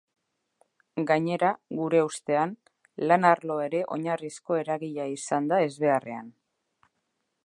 Gainera, gure ustean, lan arloa ere oinarrizko eragilea izan da ezbeharrean.